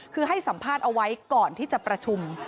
คือให้สัมภาษณ์เอาไว้ก่อนที่จะประชุม